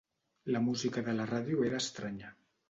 La música de la ràdio era estranya.